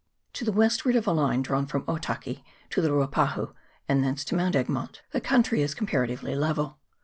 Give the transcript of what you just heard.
To the westward of a line drawn from Otaki to the Ruapahu, and thence to Mount Egmont, the country is comparatively level.